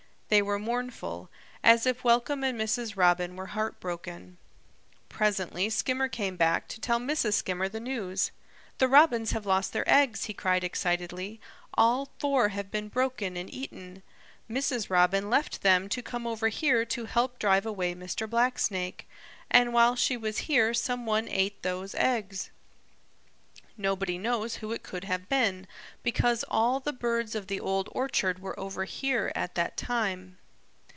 They were mournful, as if Welcome and Mrs. Robin were heartbroken. Presently Skimmer came back to tell Mrs. Skimmer the news. "The Robins have lost their eggs!" he cried excitedly. "All four have been broken and eaten. Mrs. Robin left them to come over here to help drive away Mr. Blacksnake, and while she was here some one ate those eggs. Nobody knows who it could have been, because all the birds of the Old Orchard were over here at that time.